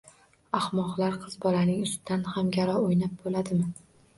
Ahmoqlar, qiz bolaning ustida ham garov o`ynab bo`ladimi